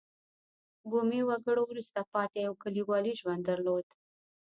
بومي وګړو وروسته پاتې او کلیوالي ژوند درلود.